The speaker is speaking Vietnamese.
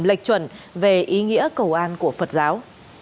lệch chuẩn về ý nghĩa cầu an của phật giáo